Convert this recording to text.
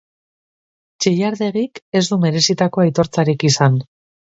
Txillardegik ez du merezitako aitortzarik izan.